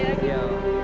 diselam susah ya